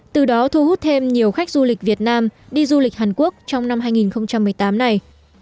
từ đó thu hút thêm nhiều khách du lịch việt nam đi du lịch hàn quốc trong năm hai nghìn một mươi tám này